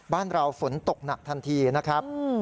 บ้านเราฝนตกหนักทันทีนะครับ